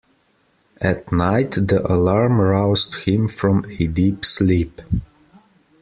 At night the alarm roused him from a deep sleep.